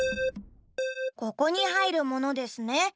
ここにはいるものですね。